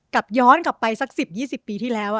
ย้อนกลับไปสัก๑๐๒๐ปีที่แล้ว